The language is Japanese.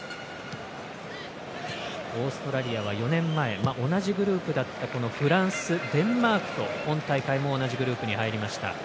オーストラリアは４年前同じグループだったフランス、デンマークと今大会も同じグループに入りました。